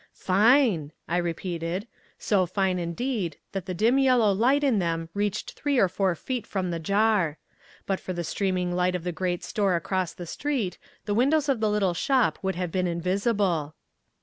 "Fine!" I repeated; so fine indeed that the dim yellow light in them reached three or four feet from the jar. But for the streaming light from the great store across the street, the windows of the little shop would have been invisible.